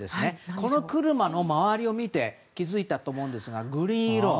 この車の周りを見て気づいたと思うんですがグリーン色。